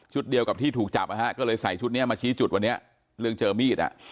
เดียวกับที่ถูกจับนะฮะก็เลยใส่ชุดนี้มาชี้จุดวันนี้เรื่องเจอมีดอ่ะ